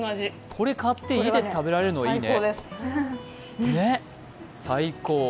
これ、買って、家で食べられるのいいね。